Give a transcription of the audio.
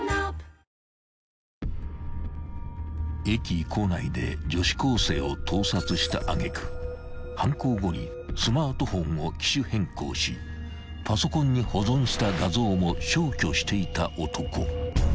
［駅構内で女子高生を盗撮した揚げ句犯行後にスマートフォンを機種変更しパソコンに保存した画像も消去していた男］